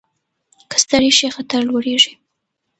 که ستړي شئ خطر لوړېږي.